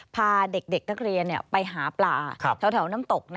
พาเด็กนักเรียนไปหาปลาแถวน้ำตก